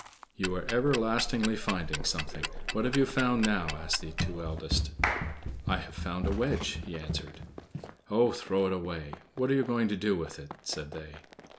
"You are everlastingly finding something! What have you found now?" asked the two eldest. "I have found a wedge," he answered. "Oh, throw it away! What are you going to do with it?" said they.